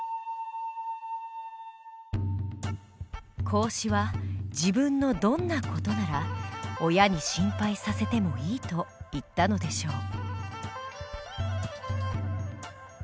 孔子は自分のどんな事なら親に心配させてもいいと言ったのでしょう？